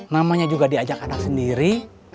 namanya juga diajak anak sendiri